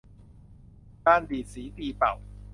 การดีดสีตีเป่า